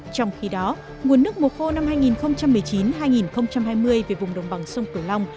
trong khi đó nguồn nước mùa khô năm hai nghìn một mươi chín hai nghìn hai mươi về vùng đồng bằng sông cửu long